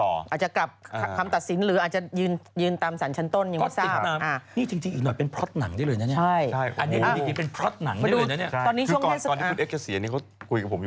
อาจจะกลับคำตัดสินหรืออาจจะยืนตามสารชั้นต้นอย่างนี้